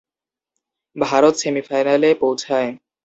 Bharat semifinal এ পৌঁছায়।